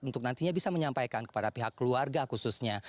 untuk nantinya bisa menyampaikan kepada pihak keluarga khususnya